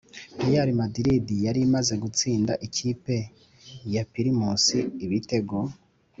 real madrid yari imaze gutsinda ikipe yapirimusi ibitego